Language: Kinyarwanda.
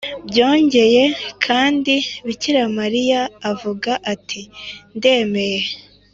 byongeye kandi bikira mariya avuga ati “ndemeye